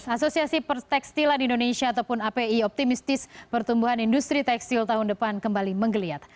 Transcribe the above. asosiasi pertekstilan indonesia ataupun api optimistis pertumbuhan industri tekstil tahun depan kembali menggeliat